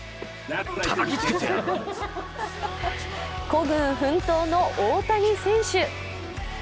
孤軍奮闘の大谷選手。